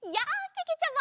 けけちゃま。